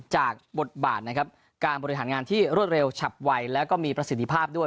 จากบทบาทนะครับการบริหารงานที่รวดเร็วฉับไวแล้วก็มีประสิทธิภาพด้วย